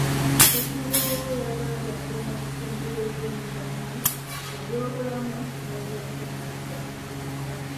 Ssekiboobo yagambye agenda kutumbula ebyemizannyo, ebyobulamu n'ebyenjigiriza.